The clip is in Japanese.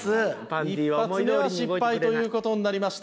１発目は失敗という事になりました。